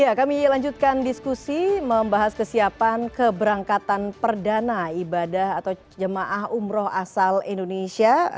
ya kami lanjutkan diskusi membahas kesiapan keberangkatan perdana ibadah atau jemaah umroh asal indonesia